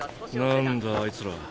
なんだあいつら。